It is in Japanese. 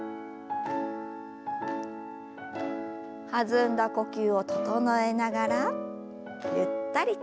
弾んだ呼吸を整えながらゆったりと。